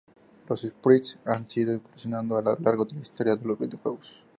Los sprites han ido evolucionando a lo largo de la historia de los videojuegos.